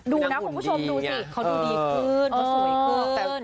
ดูนะคุณผู้ชมดูสิเขาดูดีขึ้นเขาสวยขึ้น